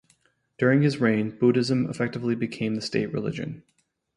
During his reign, Buddhism effectively became the state religion.